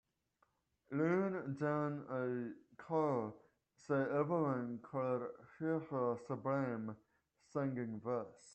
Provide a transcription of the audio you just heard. Leanne joined a choir so everyone could hear her sublime singing voice.